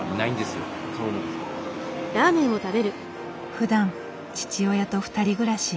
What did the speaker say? ふだん父親と２人暮らし。